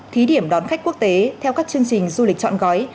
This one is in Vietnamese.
thí điểm đón khách quốc tế theo các chương trình du lịch chọn gói